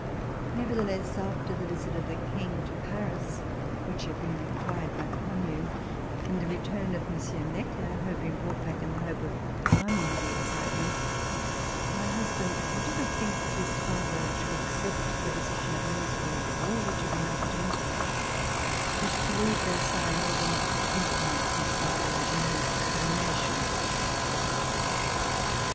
Neverthe less, after the visit of the King to Paris, which had been required by the Commune, and the return of Monsieur Necker, who had been brought back in the hope of calming the excitement, my husband, who did not think that his father should accept the posi FALL OF THE BASTILLE tion of Minister of War, whidi iuid been offered him, wished to leave Versailles in order not to inHuence his father in his determination.